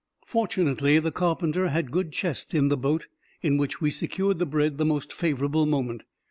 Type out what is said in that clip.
Fortunately the carpenter had good chest in the boat, in which we secured the bread the first favorable moment.